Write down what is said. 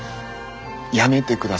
やめてください